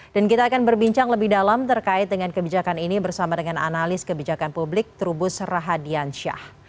dan kita akan berbincang lebih dalam terkait dengan kebijakan ini bersama dengan analis kebijakan publik trubus rahadian syah